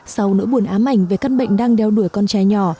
đầu nỗi buồn ám ảnh về cân bệnh đang đeo đuổi con trái nhỏ